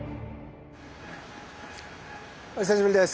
お久しぶりです。